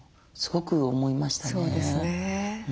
そうですね。